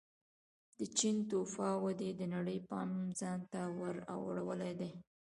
د چین توفا ودې د نړۍ پام ځان ته ور اړولی دی.